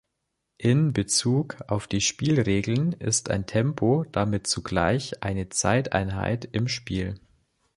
In Bezug auf die Spielregeln ist ein "Tempo" damit zugleich eine Zeiteinheit im Spiel.